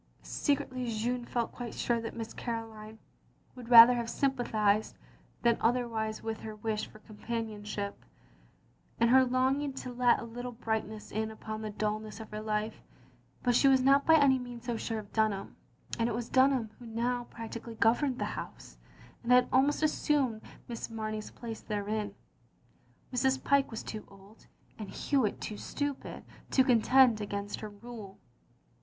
Secretly Jeanne felt quite sure that Miss Caroline would rather have sympathised than otherwise with her wish for companionship, and her longing to let a little brightness in upon the dulness of her life; but she was not by any means so sure of Dunham, and it was Dunham who now prac tically governed the house, and had almost as sumed Miss Mamey's place therein. Mrs. Pyke was too old, and Hewitt too stupid, to contend against her rule.